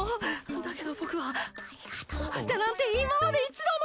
だけど僕はありがとうだなんて今まで一度も。